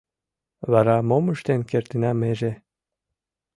— Вара мом ыштен кертына меже?